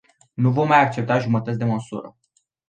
Nu vom mai accepta jumătăți de măsură.